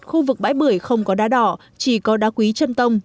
khu vực bãi bưởi không có đá đỏ chỉ có đá quý chân tông